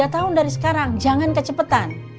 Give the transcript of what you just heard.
tujuh puluh tiga tahun dari sekarang jangan kecepatan